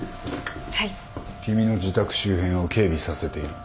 君の自宅周辺を警備させている。